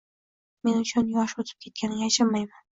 Men uning yosh o‘tib ketganiga achinmayman